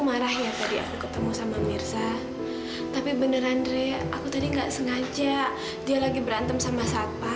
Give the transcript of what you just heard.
mai kamu mau tidak nikah sama aku